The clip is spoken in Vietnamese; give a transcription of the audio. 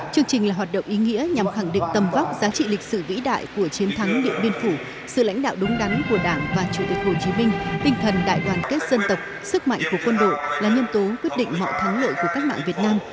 chương trình là hoạt động ý nghĩa nhằm khẳng định tầm vóc giá trị lịch sử vĩ đại của chiến thắng điện biên phủ sự lãnh đạo đúng đắn của đảng và chủ tịch hồ chí minh tinh thần đại đoàn kết dân tộc sức mạnh của quân đội là nhân tố quyết định mọi thắng lợi của cách mạng việt nam